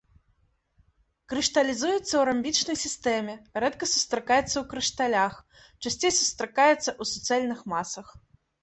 Крышталізуецца ў рамбічнай сістэме, рэдка сустракаецца ў крышталях, часцей сустракаецца ў суцэльных масах.